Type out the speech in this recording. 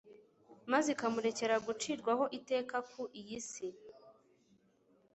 maze ikamurekera gucirwaho iteka ku iyi si.